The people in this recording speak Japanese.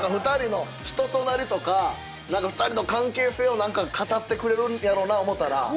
２人の人となりとか２人の関係性を語ってくれるんやろうな思ったら。